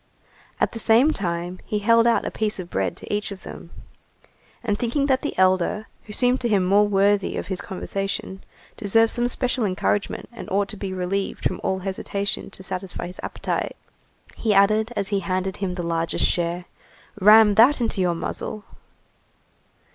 At the same time, he held out a piece of bread to each of them. And thinking that the elder, who seemed to him the more worthy of his conversation, deserved some special encouragement and ought to be relieved from all hesitation to satisfy his appetite, he added, as he handed him the largest share:— "Ram that into your muzzle."